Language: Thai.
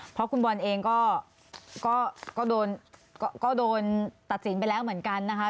เพราะคุณบอลเองก็โดนตัดสินไปแล้วเหมือนกันนะคะ